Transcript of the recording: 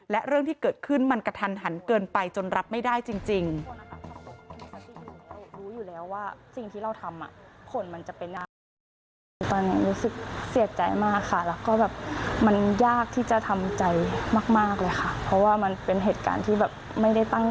และเรื่องที่เกิดขึ้นมันกระทันหันเกินไปจนรับไม่ได้จริง